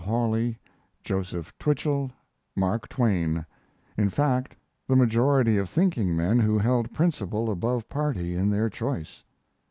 Hawley, Joseph Twichell, Mark Twain in fact the majority of thinking men who held principle above party in their choice.